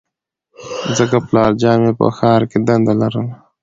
ځکه پلارجان مې په ښار کې دنده لرله